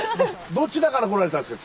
どちらから来られたんですか？